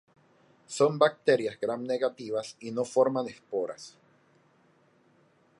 Son bacterias Gram-negativas y no forman esporas.